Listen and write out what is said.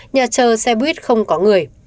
nhà chở xe buýt không có người